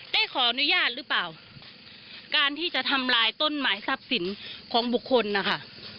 ได้ขออนุญาตหรือเปล่าการที่จะทำลายต้นหมายทรัพย์สินของบุคคลนะคะ